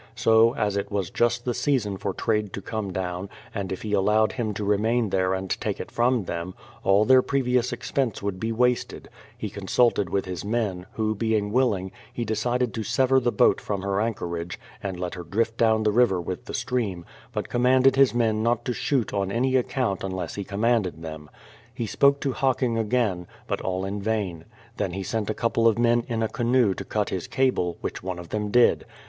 So, as it was just the season for trade to come down, and if he allowed him to remain there and take it from them, all their previous expense would be wasted, he consulted with his men, who being willing, he decided to sever the boat from her anchorage, and let her drift down the river with the stream, but com manded his men not to shoot on any account unless he THE PLYMOUTH SETTLEMENT 255 commanded them. He spoke to Hocking again, but all in vain; then he sent a couple of men in a canoe to cut his cable, which one of them did.